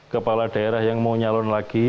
kepala daerah yang mau nyalon lagi